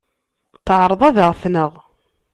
Teɛreḍ ad aɣ-tneɣ.